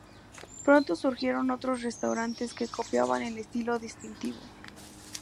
Pronto surgieron otros restaurantes que copiaban el estilo distintivo.